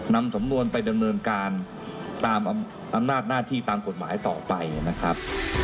นำสำนวนไปดำเนินการตามอำนาจหน้าที่ตามกฎหมายต่อไปนะครับ